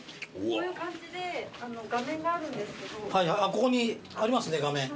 ここにありますね画面。